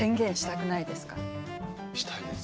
したいです。